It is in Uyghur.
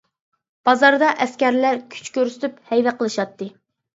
بازاردا ئەسكەرلەر كۈچ كۆرسىتىپ ھەيۋە قىلىشاتتى.